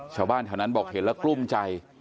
ชาวบ้านแถวนั้นบอกเห็นแล้วกลุ้มใจ